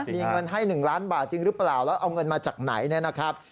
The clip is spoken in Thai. มีเงินให้๑ล้านบาทจริงหรือเปล่าแล้วเอาเงินมาจากไหนนะครับ